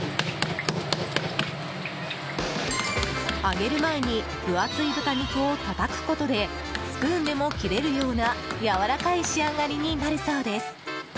揚げる前に分厚い豚肉をたたくことでスプーンでも切れるようなやわらかい仕上がりになるそうです。